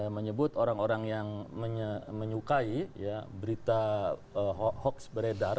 menyebut orang orang yang menyukai berita hoax beredar